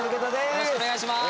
よろしくお願いします。